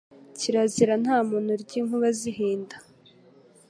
Kirazira nta muntu urya inkuba zihinda